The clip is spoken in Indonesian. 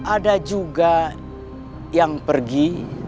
ada juga yang pergi